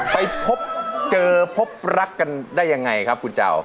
ไปพบเจอพบรักกันได้ยังไงครับคุณเจ้า